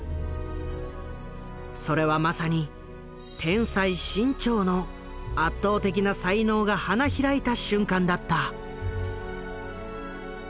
それはまさに天才志ん朝の圧倒的な才能が花開いた瞬間だった。